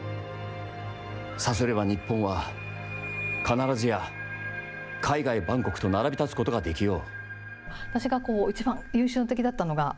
さすれば日本は、必ずや海外万国と並び立つことができよう。